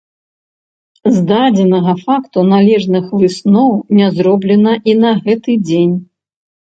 З дадзенага факту належных высноў не зроблена і на гэты дзень.